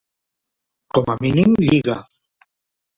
Com a mínim lliga.